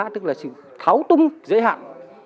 tức là sự tháo tung dễ hạn